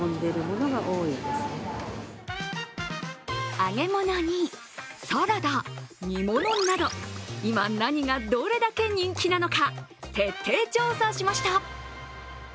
揚げ物にサラダ、煮物など今、何がどれだけ人気なのか徹底調査しました！